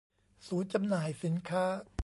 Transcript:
ศูนย์จำหน่ายสินค้า